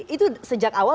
itu sejak awal